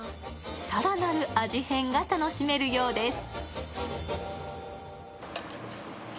更なる味変が楽しめるようです。